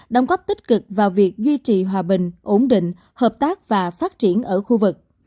đóng góp tích cực vào việc duy trì hòa bình ổn định hợp tác và phát triển ở khu vực